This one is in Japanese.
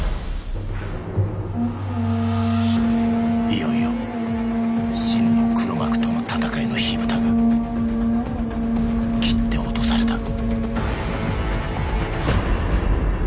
いよいよ真の黒幕との戦いの火蓋が切って落とされた